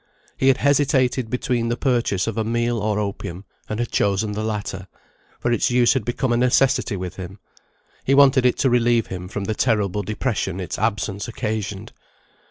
He had hesitated between the purchase of meal or opium, and had chosen the latter, for its use had become a necessity with him. He wanted it to relieve him from the terrible depression its absence occasioned.